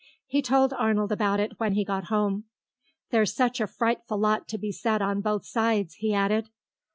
He told Arnold about it when he got home. "There's such a frightful lot to be said on both sides," he added.